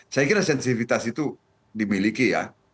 saya kira sensitivitas itu dimiliki ya